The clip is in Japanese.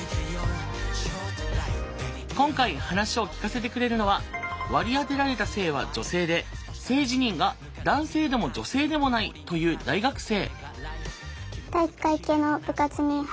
今回話を聞かせてくれるのは「割り当てられた性は女性で性自認が男性でも女性でもない」という大学生。